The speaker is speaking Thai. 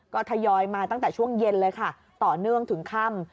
ก็ทยอยมาตั้งแต่ช่วงเย็นเลยค่ะต่อเนื่องถึงค่ำ